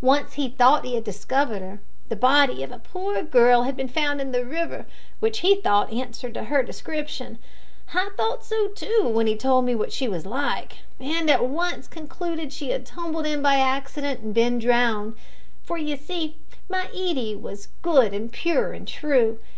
Once he thought he had discovered her. The body of a poor girl had been found in the river, which he thought answered to her description. I thought so too when he told me what she was like, and at once concluded she had tumbled in by accident and been drowned for, you see, my Edie was good and pure and true.